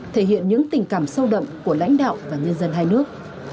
thể hiện những tình cảm sâu đậm của lãnh đạo và nhân dân hai nước